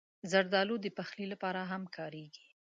زردالو د پخلي لپاره هم کارېږي.